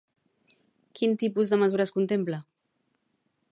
Quin tipus de mesures contempla?